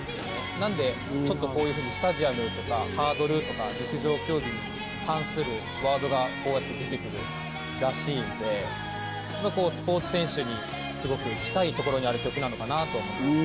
なんで、ちょっとこういうふうにスタジアムとか、ハードルとか陸上競技に関するワードがこうやって出てくるらしいんで、スポーツ選手にすごく近いところにある曲なのかなと思います。